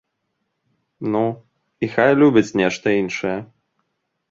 Ну, і хай любяць нешта іншае.